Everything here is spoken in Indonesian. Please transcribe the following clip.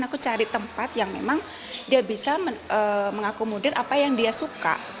aku cari tempat yang memang dia bisa mengakomodir apa yang dia suka